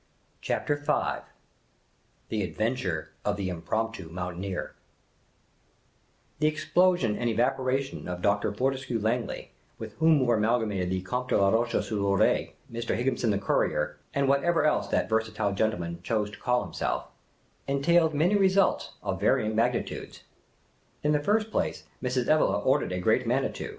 CHAPTER V THE ADVENTURE OF THE IMPROMPTU MOUNTAINEER THE explosion and evaporation of Dr. Fortescue Iyangley (with whom were amalgamated the Comte de Laroche sur Loiret, Mr. Higginson the courier, and whatever else that versatile gentleman chose to call himself) entailed many results of var3Mng magnitudes. In the first place, Mrs. Evelegh ordered a Great Manitou.